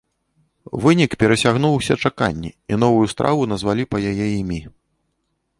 Вынік перасягнуў усе чаканні, і новую страву назвалі па яе імі.